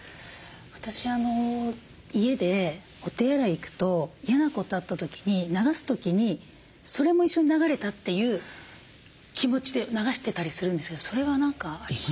私家でお手洗い行くと嫌なことあった時に流す時にそれも一緒に流れたという気持ちで流してたりするんですけどそれは何かありますか？